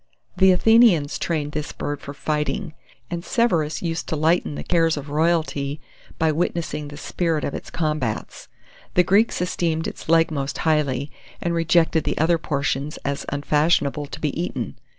The Athenians trained this bird for fighting, and Severus used to lighten the cares of royalty by witnessing the spirit of its combats. The Greeks esteemed its leg most highly, and rejected the other portions as unfashionable to be eaten.